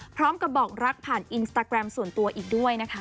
พร้อมกับบอกรักผ่านอินสตาแกรมส่วนตัวอีกด้วยนะคะ